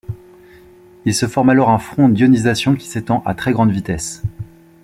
Il se forme alors un front d'ionisation, qui s'étend à très grande vitesse.